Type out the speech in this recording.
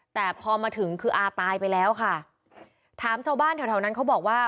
แต่พอมาถึงคืออาตายไปแล้วค่ะถามชาวบ้านแถวแถวนั้นเขาบอกว่า